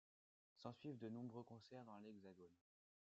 S’ensuivent de nombreux concerts dans l’hexagone.